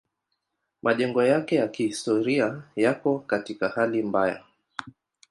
Majengo yake ya kihistoria yako katika hali mbaya.